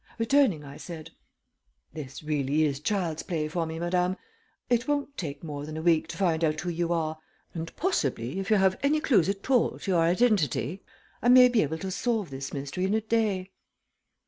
Returning, I said: "This really is child's play for me, madame. It won't take more than a week to find out who you are, and possibly, if you have any clews at all to your identity, I may be able to solve this mystery in a day."